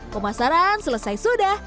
pemasaran selesai sudah